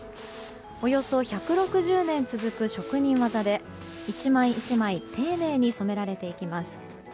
およそ１６０年続く職人技で１枚１枚丁寧に染められていきます。